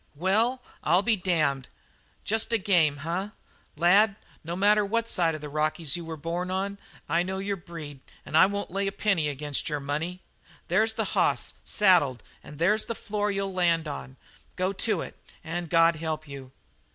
"Well, I'll be damned! Just a game, eh? Lad, no matter on what side of the Rockies you were born, I know your breed and I won't lay a penny against your money. There's the hoss saddled and there's the floor you'll land on. Go to it and God help you!"